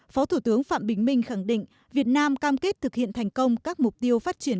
phó thủ tướng phạm bình minh khẳng định việt nam cam kết thực hiện thành công các mục tiêu phát triển